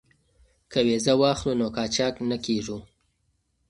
که ویزه واخلو نو قاچاق نه کیږو.